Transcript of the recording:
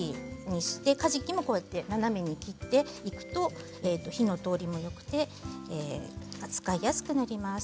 かじきも、こうやって斜めに切っていくと火の通りもよくて扱いやすくなります。